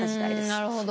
んなるほど。